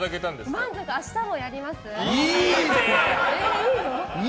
明日もやります？